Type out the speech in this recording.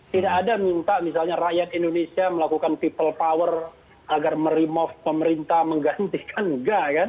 tidak ada minta misalnya rakyat indonesia melakukan people power agar meremove pemerintah menggantikan enggak kan